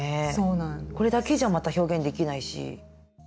これだけじゃまた表現できないし。